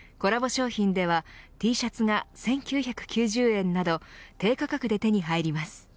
商品ではＴシャツが１９９０円など低価格で手に入ります。